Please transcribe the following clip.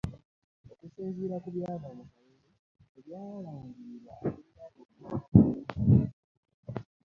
Okusinziira ku byava mu kalulu, ebyalangirirwa akulira akakiiko k'ebyokulonda